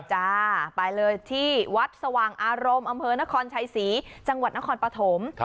จ้าไปเลยที่วัดสว่างอารมณ์อำเภอนครชัยศรีจังหวัดนครปฐม